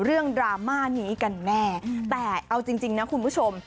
ดราม่านี้กันแน่แต่เอาจริงนะคุณผู้ชม